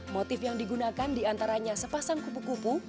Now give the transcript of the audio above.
motif yang digunakan diantaranya sepasang kupu kupu